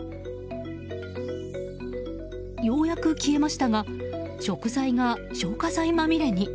ようやく消えましたが食材が消火剤まみれに。